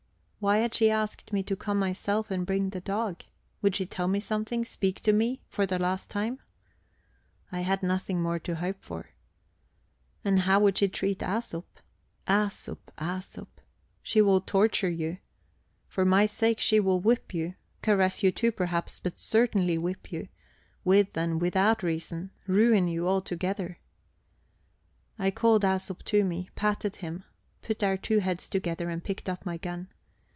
Why had she asked me to come myself and bring the dog? Would she tell me something, speak to me, for the last time? I had nothing more to hope for. And how would she treat Æsop? Æsop, Æsop, she will torture you! For my sake she will whip you, caress you too, perhaps, but certainly whip you, with and without reason; ruin you altogether... I called Æsop to me, patted him, put our two heads together, and picked up my gun.